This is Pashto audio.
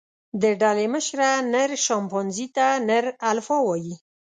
د ډلې مشره، نر شامپانزي ته نر الفا وایي.